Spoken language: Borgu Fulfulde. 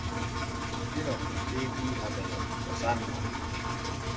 Tino teeti amene to sanna.